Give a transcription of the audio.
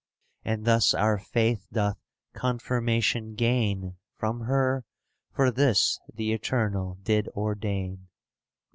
And thus our faith doth confirmation gain From her, for this the Eternal did ordain.